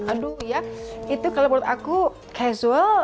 aduh ya itu kalau menurut aku casual